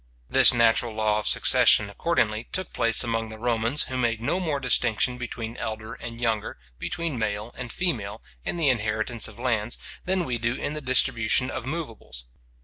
This natural law of succession, accordingly, took place among the Romans who made no more distinction between elder and younger, between male and female, in the inheritance of lands, than we do in the distribution of moveables.